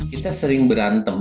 kita sering berantem